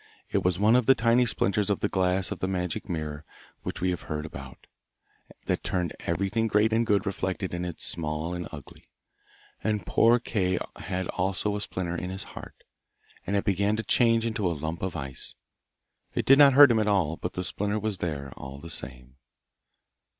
It was one of the tiny splinters of the glass of the magic mirror which we have heard about, that turned everything great and good reflected in it small and ugly. And poor Kay had also a splinter in his heart, and it began to change into a lump of ice. It did not hurt him at all, but the splinter was there all the same.